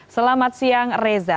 selamat siang reza